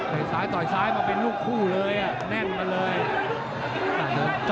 เผ่าฝั่งโขงหมดยก๒